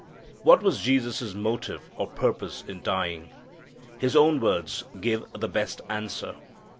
What was Jesus' motive or purpose in dying? His own words give the best answer.